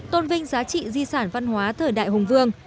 tôn vinh giá trị di sản văn hóa thời đại hùng vương